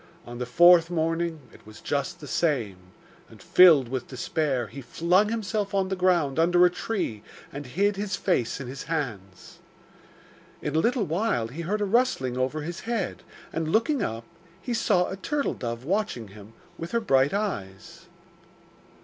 On the fourth morning it was just the same, and, filled with despair, he flung himself on the ground under a tree and hid his face in his hands. In a little while he heard a rustling over his head, and looking up, he saw a turtle dove watching him with her bright eyes.